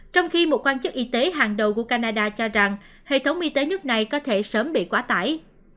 trong khi một quan chức y tế hàng đầu của canada cho rằng hệ thống y tế nước này có thể sớm bị quá tải